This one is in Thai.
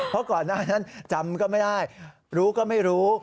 เพราะก่อนหน้านั้นจำก็ไม่ได้รู้ก็ไม่รู้